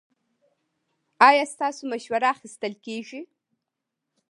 ایا ستاسو مشوره اخیستل کیږي؟